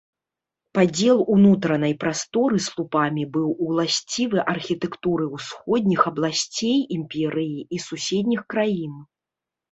Падзел унутранай прасторы слупамі быў уласцівы архітэктуры ўсходніх абласцей імперыі і суседніх краін.